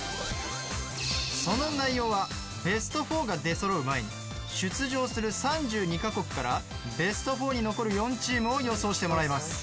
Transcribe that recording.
その内容はベスト４が出揃う前に出場する３２カ国からベスト４に残る４チームを予想してもらいます。